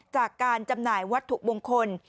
จากการจำหน่ายวัตถุบงคล